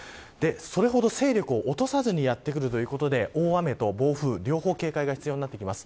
それほど勢力を落とさずにやってくるということで大雨と暴風両方、警戒が必要になります。